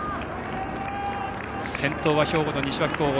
先頭は兵庫の西脇工業。